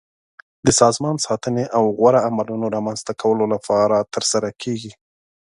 د سازمان ساتنې او غوره عملونو رامنځته کولو لپاره ترسره کیږي.